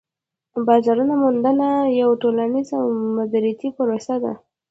بازار موندنه یوه ټولنيزه او دمدریتی پروسه ده